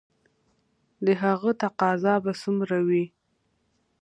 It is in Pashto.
د هغه تقاضا به څومره وي؟